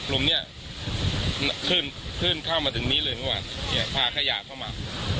ลมเนี่ยขึ้นเข้ามาถึงนี้เลยเมื่อวานพาขยะเข้ามา